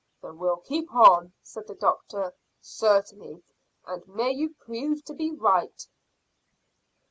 "Then we'll keep on," said the doctor, "certainly; and may you prove to be right."